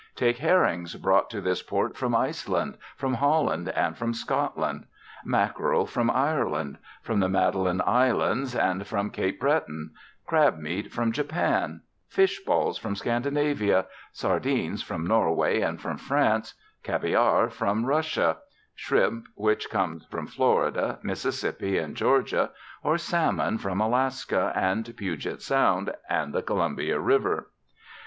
Take herrings brought to this port from Iceland, from Holland, and from Scotland; mackerel from Ireland, from the Magdalen Islands, and from Cape Breton; crabmeat from Japan; fishballs from Scandinavia; sardines from Norway and from France; caviar from Russia; shrimp which comes from Florida, Mississippi, and Georgia, or salmon from Alaska, and Puget Sound, and the Columbia River.